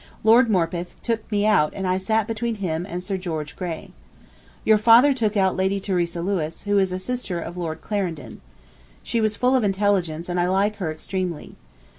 Lord Morpeth took me out and I sat between him and Sir George Grey. Your father took out Lady Theresa Lewis, who is a sister of Lord Clarendon. She was full of intelligence and I like her extremely.